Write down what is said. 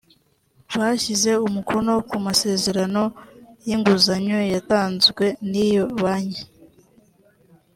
bashyize umukono ku masezerano y’inguzanyo yatanzwe n’iyo banki